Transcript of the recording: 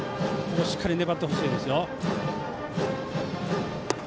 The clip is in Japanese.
しっかり粘ってほしいですよ。